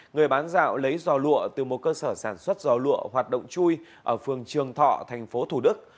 người bán dạo lấy giò lụa từ một cơ sở sản xuất giò lụa hoạt động chui ở phường trường thọ thành phố thủ đức